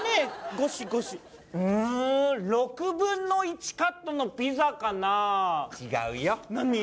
ゴシゴシ６分の１カットのピザかな違うよ何？